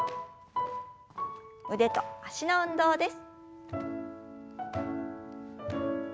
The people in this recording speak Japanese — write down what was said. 腕と脚の運動です。